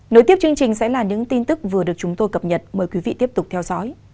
nối tiếp chương trình sẽ là những tin tức vừa được chúng tôi cập nhật mời quý vị tiếp tục theo dõi